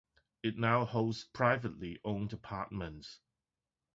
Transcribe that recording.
It now holds privately owned apartments.